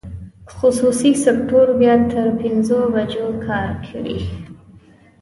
خصوصي سکټور بیا تر پنځو بجو کار کوي.